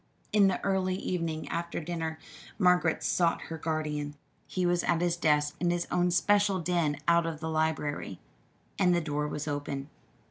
In the early evening after dinner Margaret sought her guardian. He was at his desk in his own special den out of the library, and the door was open.